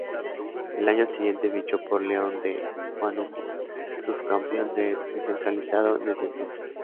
Al año siguiente fichó por León de Huánuco, subcampeón del Descentralizado en ese entonces.